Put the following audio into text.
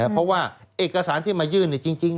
เพราะว่าเอกสารที่มายื่นจริง